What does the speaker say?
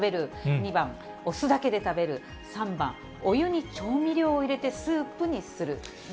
２番お酢だけで食べる、３番お湯に調味料を入れてスープにする。